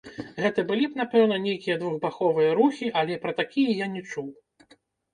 Гэта былі б, напэўна, нейкія двухбаковыя рухі, але пра такія я не чуў.